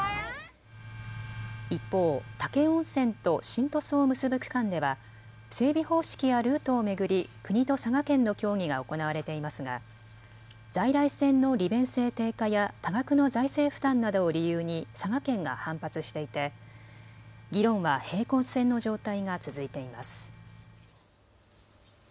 一方、武雄温泉と新鳥栖を結ぶ区間では整備方式やルートを巡り国と佐賀県の協議が行われていますが在来線の利便性低下や多額の財政負担などを理由に佐賀県が反発していて議論は平行線の状態が続いています。